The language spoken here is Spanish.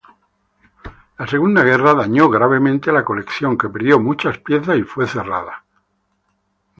La Segunda Guerra dañó gravemente la colección, que perdió muchas piezas y fue cerrado.